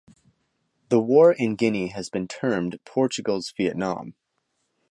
The war in Guinea has been termed "Portugal's Vietnam".